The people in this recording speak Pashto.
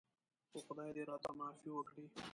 خو خدای دې راته معافي وکړي.